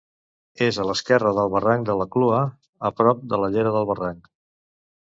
És a l'esquerra del barranc de la Clua, a prop de la llera del barranc.